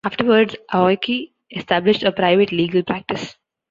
Afterwards, Aoki established a private legal practice.